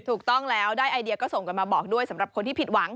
ถูกต้องแล้วได้ไอเดียก็ส่งกันมาบอกด้วยสำหรับคนที่ผิดหวัง